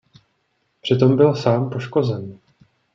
Přitom byl sám poškozen.